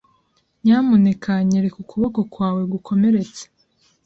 Nyamuneka nyereka ukuboko kwawe gukomeretse.